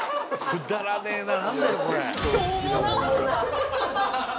くだらねえな。